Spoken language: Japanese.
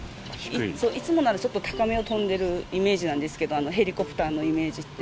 いつもならちょっと高めを飛んでるイメージなんですけど、ヘリコプターのイメージって。